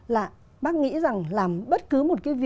là bác nghĩ rằng làm bất cứ một cái việc